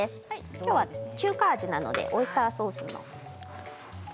今日は中華味なのでオイスターソースを。